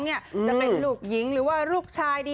จะเป็นลูกหญิงหรือว่าลูกชายดี